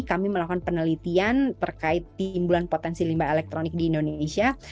kami melakukan penelitian terkait timbulan potensi limbah elektronik di indonesia